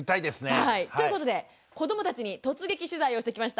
はいということで子どもたちに突撃取材をしてきました。